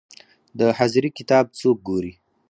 د حاضري کتاب څوک ګوري؟